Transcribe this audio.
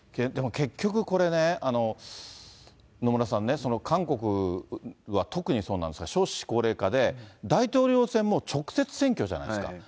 でも結局、これね、野村さんね、韓国は特にそうなんですが、少子高齢化で、大統領選も直接選挙じゃないですか。